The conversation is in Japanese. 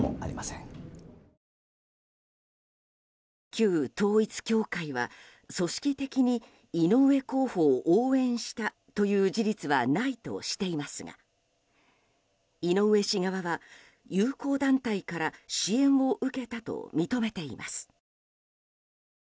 旧統一教会は組織的に井上候補を応援したという事実はないとしていますが井上氏側は友好団体から支援を受けたと認めています。